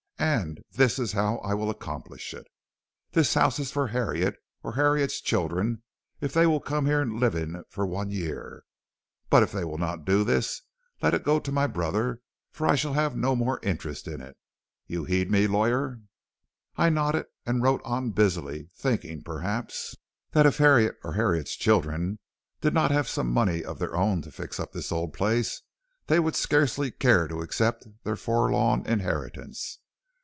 And this is how I will accomplish it. This house is for Harriet or Harriet's children if they will come here and live in it one year, but if they will not do this, let it go to my brother, for I shall have no more interest in it. You heed me, lawyer?' "I nodded and wrote on busily, thinking, perhaps, that if Harriet or Harriet's children did not have some money of their own to fix up this old place, they would scarcely care to accept their forlorn inheritance.